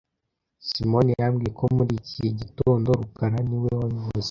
Simoni yambwiye ko muri iki gitondo rukara niwe wabivuze